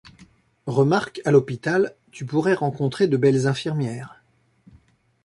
Remarque, à l'hôpital, tu pourrais rencontrer de belles infirmières.